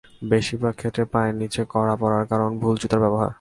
বেশির ভাগ ক্ষেত্রে পায়ের নিচে কড়া পড়ার কারণ ভুল জুতার ব্যবহার।